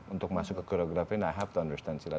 untuk masuk ke koreografi saya harus mengerti silat